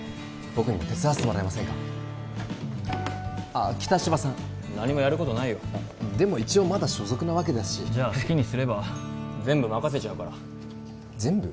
僕にも手伝わせてもらえませんかあっ北芝さん何もやることないよでも一応まだ所属なわけだしじゃあ好きにすれば全部任せちゃうから全部？